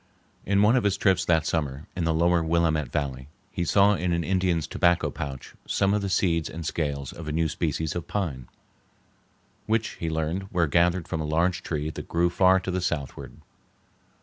In one of his trips that summer, in the lower Willamette Valley, he saw in an Indian's tobacco pouch some of the seeds and scales of a new species of pine, which he learned were gathered from a large tree that grew far to the southward.